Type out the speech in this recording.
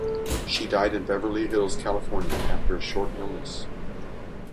She died in Beverly Hills, California after a short illness.